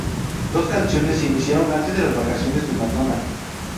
Dos canciones se iniciaron antes de las vacaciones de Macdonald.